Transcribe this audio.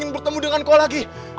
bertemu dengan kau lagi